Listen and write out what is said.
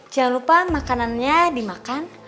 jangan lupa makanannya dimakan